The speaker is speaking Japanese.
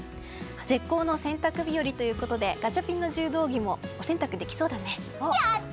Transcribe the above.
絶好の洗濯日和ということでガチャピンの柔道着もお洗濯できそうだね。